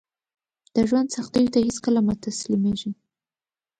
د ژوند سختیو ته هیڅکله مه تسلیمیږئ